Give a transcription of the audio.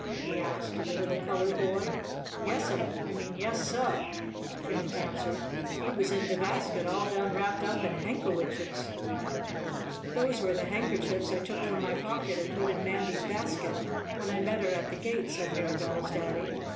he asked of the little colored boy. "Yes'm I mean yes, sah!" Jim answered. "He was in de basket all done wrapped up in hankowitches." "Those were the handkerchiefs I took from my pocket and put in Mandy's basket when I met her at the gate," said Mirabell's daddy.